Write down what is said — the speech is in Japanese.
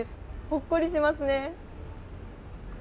ほっこりしますね。